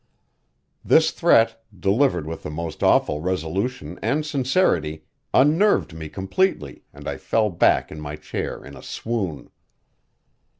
This threat, delivered with the most awful resolution and sincerity, unnerved me completely, and I fell back in my chair in a swoon.